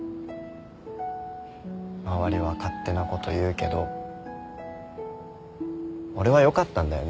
周りは勝手なこと言うけど俺はよかったんだよね。